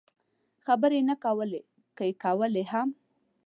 خبرې یې نه کولې، که یې کولای هم.